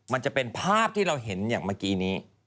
มันจะเป็นภาพที่เราเห็นอย่างเมื่อกี้นี้